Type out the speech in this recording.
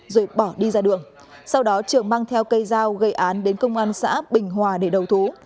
rồi bỏ đi ra đường sau đó trường mang theo cây dao gây án đến công an xã bình hòa để đầu thú